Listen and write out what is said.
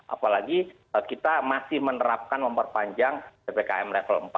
apalagi kita masih menerapkan memperpanjang ppkm level empat